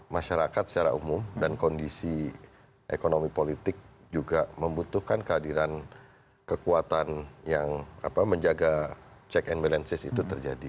masyarakat secara umum dan kondisi ekonomi politik juga membutuhkan kehadiran kekuatan yang menjaga check and balances itu terjadi